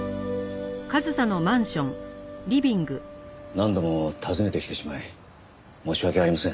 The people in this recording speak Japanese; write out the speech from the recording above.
何度も訪ねてきてしまい申し訳ありません。